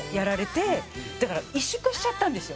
だから萎縮しちゃったんですよ